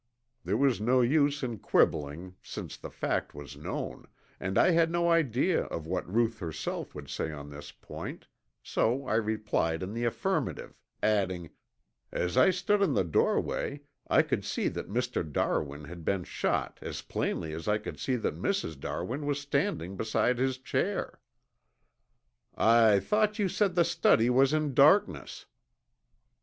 There was no use in quibbling since the fact was known, and I had no idea of what Ruth herself would say on this point, so I replied in the affirmative, adding: "As I stood in the doorway I could see that Mr. Darwin had been shot as plainly as I could see that Mrs. Darwin was standing beside his chair." "I thought you said the study was in darkness?"